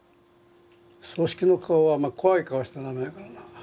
葬式の顔は怖い顔しちゃ駄目だからな。